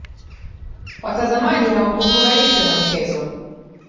Watazamaji hawakufurahishwa na mchezo.